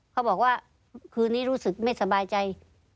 เขาบอกว่าคืนนี้รู้สึกไม่สบายใจ